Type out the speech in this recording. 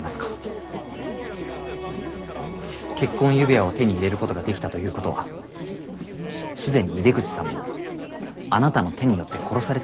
結婚指輪を手に入れることができたということは既に井出口さんもあなたの手によって殺されているのではないですか？